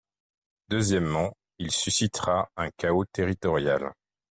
Deuxièmement, il suscitera un chaos territorial.